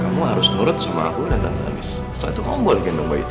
kamu harus turut sama aku dan tante andis setelah itu kamu boleh gendong bayi itu